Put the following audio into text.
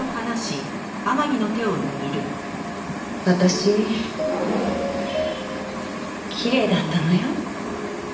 私きれいだったのよ。